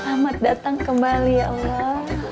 selamat datang kembali ya allah